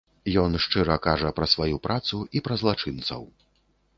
Ён шчыра кажа пра сваю працу і пра злачынцаў.